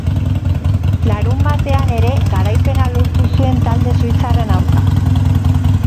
Larunbatean ere garaipena lortu zuen talde suitzarraren aurka.